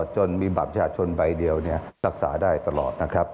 จนมีบัตรประชาชนใบเดียวรักษาได้ตลอดนะครับ